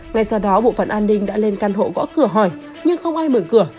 ngay sau đó bộ phận an ninh đã lên căn hộ gõ cửa hỏi nhưng không ai mở cửa